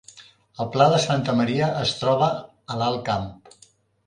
El Pla de Santa Maria es troba a l’Alt Camp